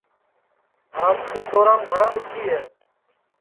آج کے دورام گھٹؔا دؔوکھی ہے